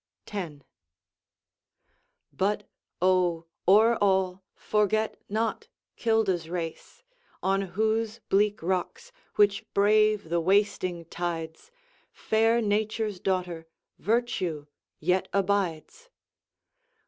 X But oh, o'er all, forget not Kilda's race, On whose bleak rocks, which brave the wasting tides, Fair Nature's daughter, Virtue, yet abides.